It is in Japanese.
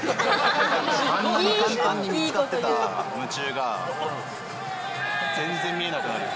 あんなに簡単に見つかってた夢中が、全然見えなくなる。